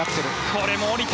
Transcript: これも降りた！